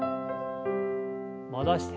戻して。